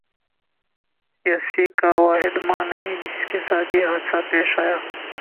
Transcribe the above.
یاسیکا واحد ماں نہیں جس کے ساتھ یہ حادثہ پیش آیا